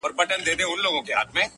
زه خو پر ځان خپله سایه ستایمه,